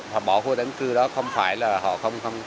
họ bỏ khu tái định cư đó không phải là họ không